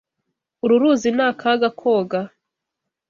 Uru ruzi ni akaga koga.